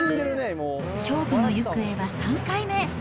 勝負の行方は３回目。